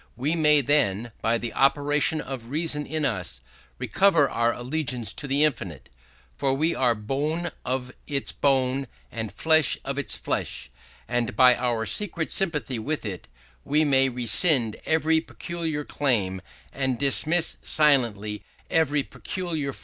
We may then, by the operation of reason in us, recover our allegiance to the infinite, for we are bone of its bone and flesh of its flesh: and by our secret sympathy with it we may rescind every particular claim and dismiss silently every particular form of being, as something unreal and unholy.